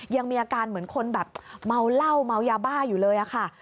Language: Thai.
ยังมีอาการเหมือนคนแบบเมาเหล้าเมายาบ้าอยู่เลยอะค่ะ